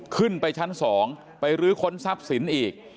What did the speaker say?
ขึ้นไปชั้น๒ไปรื้อค้นทรัพย์สินอีก